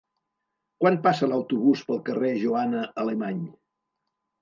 Quan passa l'autobús pel carrer Joana Alemany?